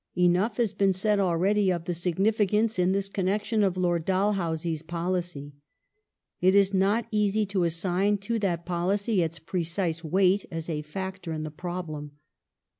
Enough has been said already of the significance in this connection of Lord Dalhousie's policy. It is not easy to assign to that policy its precise weight as a factor in the problem.